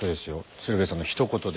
鶴瓶さんのひと言で。